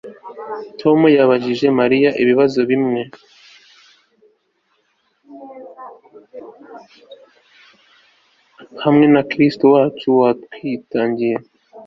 Hamwe na kristu wacu watwitangiye